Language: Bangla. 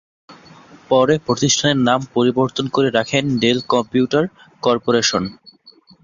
পরে প্রতিষ্ঠানের নাম পরিবর্তন করে রাখেন ডেল কম্পিউটার করপোরেশন।